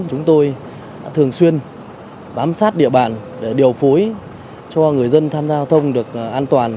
chúng tôi thường xuyên bám sát địa bàn để điều phối cho người dân tham gia giao thông được an toàn